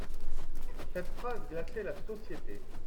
Cette phrase glaçait la société.